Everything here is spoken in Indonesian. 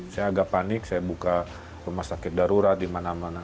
saya agak panik saya buka rumah sakit darurat di mana mana